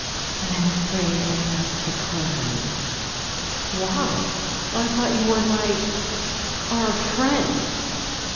But I'm afraid I must decline." "Why? I thought you were my our friend."